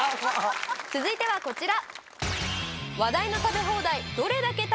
続いてはこちら。